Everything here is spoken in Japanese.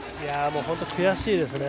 本当に悔しいですね。